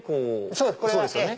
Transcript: そうです